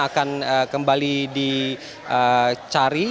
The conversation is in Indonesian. akan kembali dicari